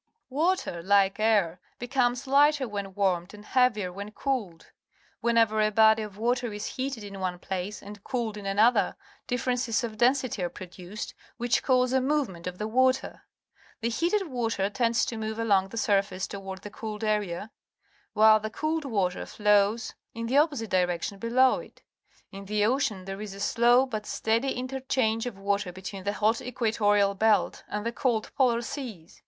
Water, like air^. becomes. .lighter when warmed and heavier when cooled. \Mienever a body of water is heated in one place and cooled in a nother, differences of density are produced, which cause a mo\'ement of the water. The heated water tends to move along the siirface toward the cooled area, while the cooled water flow s in the opposite direction below it. In the ocean there is a slow but steady interchange of water between the hot equatorial belt and the cold polar seas.